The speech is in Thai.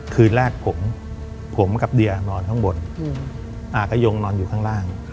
คืนแรกผมกับเดียนอนข้างบนอากระยงนอนอยู่ข้างล่าง